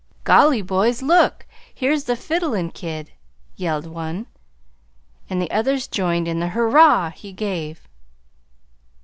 "Golly, boys, look! Here's the fiddlin' kid," yelled one; and the others joined in the "Hurrah!" he gave.